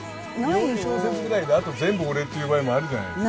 ４小節ぐらいであと全部俺っていう場合もあるじゃないですか。